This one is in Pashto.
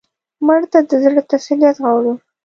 مړه ته د زړه تسلیت غواړو